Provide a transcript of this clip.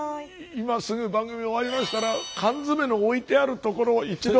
今すぐ番組終わりましたら缶詰の置いてある所を一度。